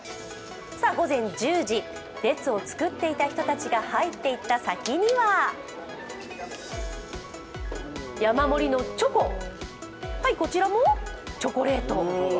午前１０時、列を作っていた人たちが入っていった先には山盛りのチョコ、はい、こちらもチョコレート。